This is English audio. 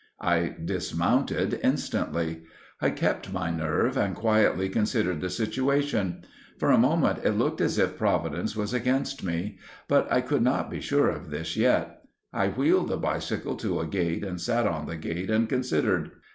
I dismounted instantly. I kept my nerve and quietly considered the situation. For a moment it looked as if Providence was against me, but I could not be sure of this yet. I wheeled the bicycle to a gate and sat on the gate and considered.